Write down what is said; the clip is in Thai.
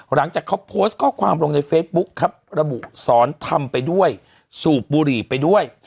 หลังจากเขาโพสต์ข้อความลงในเฟซบุ๊คครับระบุสอนทำไปด้วยสูบบุหรี่ไปด้วย